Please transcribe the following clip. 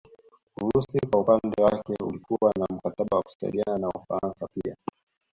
Urusi kwa upande wake ulikuwa na mkataba wa kusaidiana na Ufaransa pia